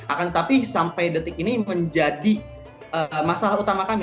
akan tetapi sampai detik ini menjadi masalah utama kami